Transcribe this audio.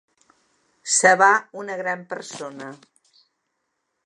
Se va una gran persona.